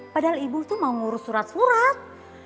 padahal ibu itu mau ngurus surat surat